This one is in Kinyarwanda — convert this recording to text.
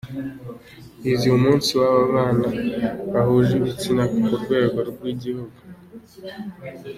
Bizihije umunsi w’ababana bahuje ibitsina ku rwego rw’ igihugu